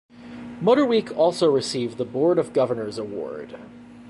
Motorweek also received the Board of Governors Award.